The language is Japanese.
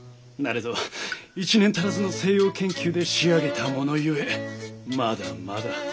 なれど１年足らずの西洋研究で仕上げたものゆえまだまだ。